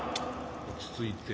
落ち着いて。